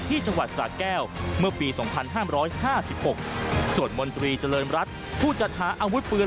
จังหวัดสาแก้วเมื่อปี๒๕๕๖ส่วนมนตรีเจริญรัฐผู้จัดหาอาวุธปืน